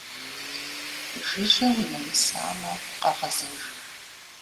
Жыжьэ унэмысамэ, къэгъэзэж.